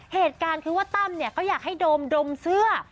เหตุการณ์คือว่าตั้มเนี่ยเขาอยากให้โดมดมเสื้อ